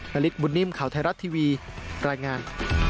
ฤทธบุญนิ่มข่าวไทยรัฐทีวีรายงาน